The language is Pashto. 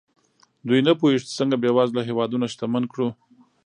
دوی نه پوهېږي چې څنګه بېوزله هېوادونه شتمن کړو.